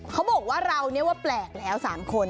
เขาบอกว่าเราเนี่ยว่าแปลกแล้ว๓คน